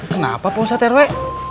kenapa pungsa terwe